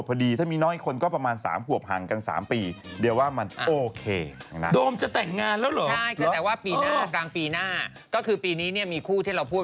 ทำให้ตอนนั้นข่าวคนก็ไปเมาท์เปิ้ลเนาะ